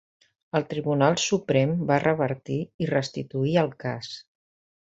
El Tribunal Suprem va revertir i restituir el cas.